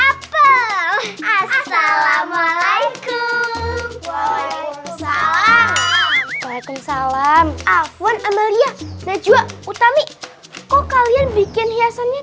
apel assalamualaikum waalaikumsalam waalaikumsalam afwan amalia najwa utami kok kalian bikin hiasannya